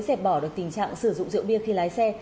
và giải bỏ được tình trạng sử dụng rượu bia khi lái xe